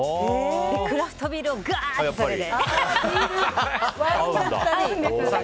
クラフトビールをガッとそれで。